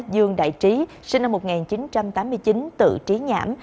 dương đại trí sinh năm một nghìn chín trăm tám mươi chín tự trí nhãm